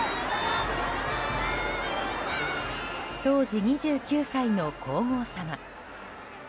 当時２９歳の皇后さま。